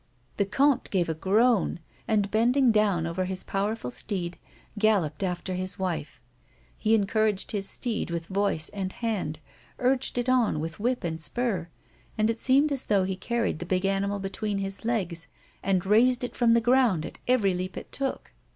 The comte gave a groan, and, bending down over his power ful steed, galloped after his wife. He encouraged his steed with voice and hand, urged it on with whip and spur, and it seemed as though he carried the big animal between his legs, and raised it from the ground at every leap it took.